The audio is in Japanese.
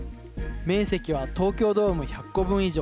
面積は東京ドーム１００個分以上。